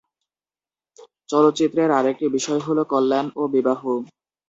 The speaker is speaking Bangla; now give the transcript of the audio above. চলচ্চিত্রের আরেকটি বিষয় হল কল্যাণ ও বিবাহ।